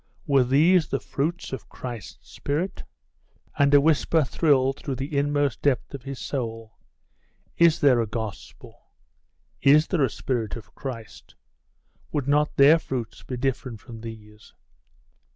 were these the fruits of Christ's Spirit?.... And a whisper thrilled through the inmost depth of his soul 'Is there a Gospel? Is there a Spirit of Christ? Would not their fruits be different from these?